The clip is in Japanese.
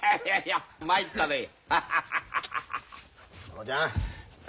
父ちゃん！